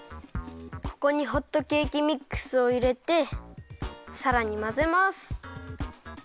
ここにホットケーキミックスをいれてさらにまぜます。